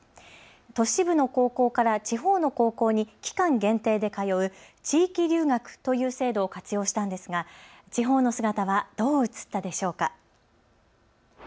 都市部の高校から地方の高校に期間限定で通う地域留学という制度を活用したんですが地方の姿はどう映ったでしょうか。